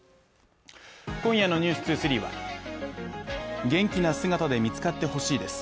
今夜の「ｎｅｗｓ２３」は元気な姿で見つかってほしいです。